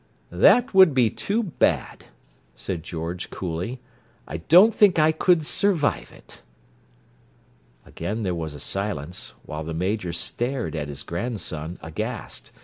"That would be too bad," said George coolly. "I don't think I could survive it." Again there was a silence, while the Major stared at his grandson, aghast.